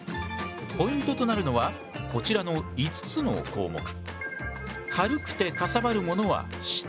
ポイントとなるのはこちらの５つの項目。